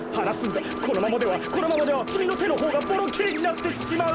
このままではこのままではきみのてのほうがボロきれになってしまう！